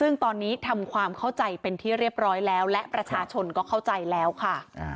ซึ่งตอนนี้ทำความเข้าใจเป็นที่เรียบร้อยแล้วและประชาชนก็เข้าใจแล้วค่ะ